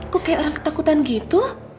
kok kayak orang ketakutan gitu